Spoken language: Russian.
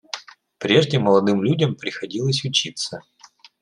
Прежде молодым людям приходилось учиться.